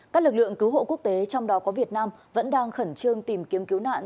các lực lượng cứu hộ quốc tế trong đó có việt nam vẫn đang khẩn trương tìm kiếm cứu nạn